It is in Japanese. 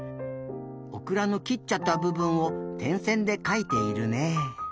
オクラの切っちゃったぶぶんをてんせんでかいているね。